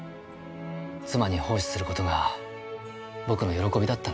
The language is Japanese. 妻に奉仕する事が僕の喜びだったんです。